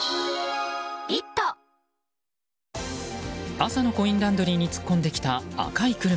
朝のコインランドリーに突っ込んできた赤い車。